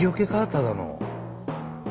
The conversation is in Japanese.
ただの。